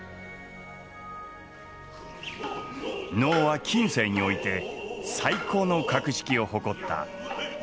能は近世において最高の格式を誇った「武家の式楽」。